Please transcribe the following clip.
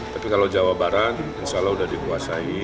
tapi kalau jawa barat insya allah sudah dikuasai